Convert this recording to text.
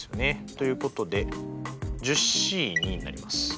ということでＣになります。